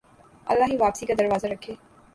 اللہ ہی واپسی کا دروازہ رکھے